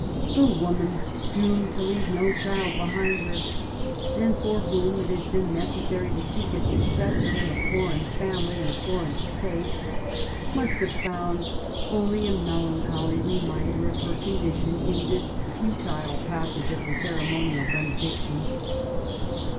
The woman doomed to leave no child behind her, and for whom it had been necessary to seek a successor in a foreign family and a foreign state, must have found only a melancholy reminder of her condition in this futile passage of the ceremonial benediction.